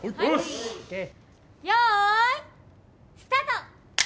よいスタート！